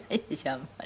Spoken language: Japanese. あんまり。